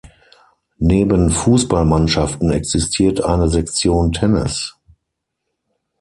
Neben Fußballmannschaften existiert eine Sektion Tennis.